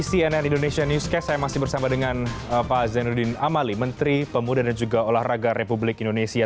di cnn indonesia newscast saya masih bersama dengan pak zainuddin amali menteri pemuda dan juga olahraga republik indonesia